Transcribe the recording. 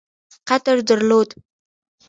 قدر درلود.